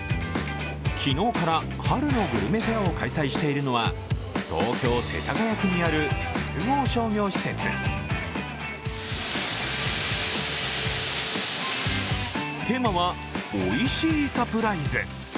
昨日から春のグルメフェアを開催しているのは東京・世田谷区にある複合商業施設テーマは「おいしいサプライズ」。